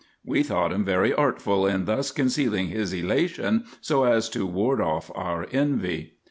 We thought him very artful, in thus concealing his elation so as to ward off our envy.